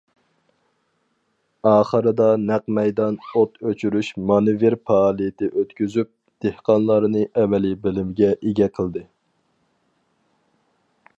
ئاخىرىدا نەق مەيدان ئوت ئۆچۈرۈش مانېۋىر پائالىيىتى ئۆتكۈزۈپ، دېھقانلارنى ئەمەلىي بىلىمگە ئىگە قىلدى.